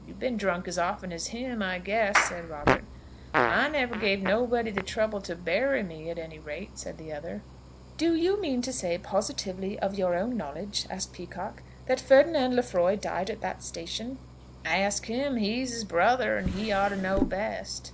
"You've been drunk as often as him, I guess," said Robert. "I never gave nobody the trouble to bury me at any rate," said the other. "Do you mean to say positively of your own knowledge," asked Peacocke, "that Ferdinand Lefroy died at that station?" "Ask him; he's his brother, and he ought to know best."